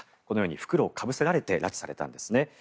このように袋をかぶせされて拉致されたんです。